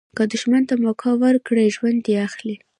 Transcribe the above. که دوښمن ته موکه ورکړي، ژوند دي اخلي.